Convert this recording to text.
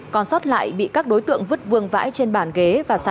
còn sót lại bị các đối tượng vứt vương vãi trên bàn ghế và